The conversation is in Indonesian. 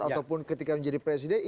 ataupun ketika menjadi presiden